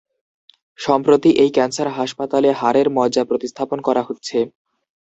সম্প্রতি এই ক্যান্সার হাসপাতালে হাড়ের মজ্জা প্রতিস্থাপন করা হচ্ছে।